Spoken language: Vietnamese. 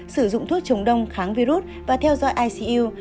sử dụng thuốc trồng đông kháng virus và theo dõi icu